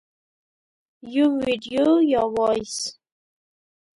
- یو ویډیو یا Voice 🎧